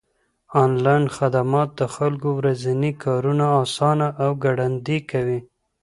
انلاين خدمات د خلکو ورځني کارونه آسانه او ګړندي کوي.